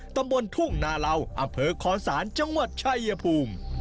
ตำบลทุ่งนาเหล่าอำเภอคอศาลจังหวัดชายภูมิ